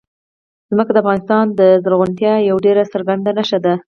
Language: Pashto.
ځمکه د افغانستان د زرغونتیا یوه ډېره څرګنده نښه ده.